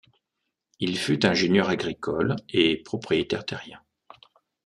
Il fut ingénieur agricole et propriétaire terrien.